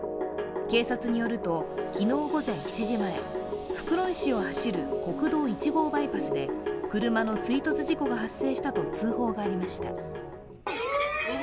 警察によると、昨日午前７時前、袋井市を走る国道１号バイパスで車の追突事故が発生したと通報がありました。